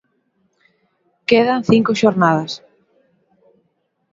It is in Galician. Quedan cinco xornadas.